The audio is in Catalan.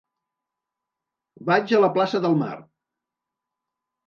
Vaig a la plaça del Mar.